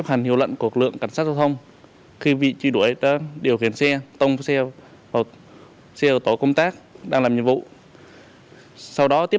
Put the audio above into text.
cảnh sát giao thông chạy trước đầu xe tôi